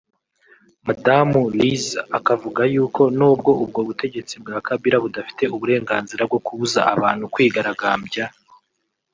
Madamu Liz akavuga yuko n’ubwo ubwo butegetsi bwa Kabila budafite uburenganzira bwo kubuza abantu kwigaragambya